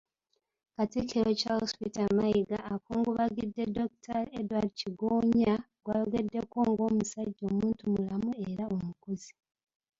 Katikkiro Charles Peter Mayiga, akungubagidde Dokitaali Edward Kigonya gw'ayogeddeko ng'omusajja omuntumulamu era omukozi.